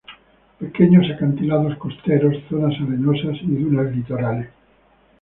Pequeños acantilados costeros, zonas arenosas y dunas litorales.